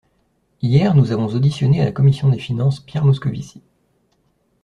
Hier, nous avons auditionné à la commission des finances Pierre Moscovici.